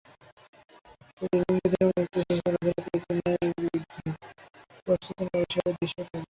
রেলিংটা ধরে মুক্ত চলাচলের তৃপ্তি নেয় বৃদ্ধ, প্রসূতি নারীসহ দৃষ্টি প্রতিবন্ধী মানুষেরা।